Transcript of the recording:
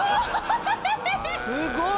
すごい！